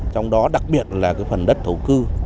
trong đó đặc biệt là phần đất thầu cư